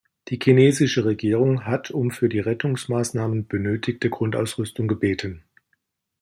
Die chinesische Regierung hat um für die Rettungsmaßnahmen benötigte Grundausrüstung gebeten.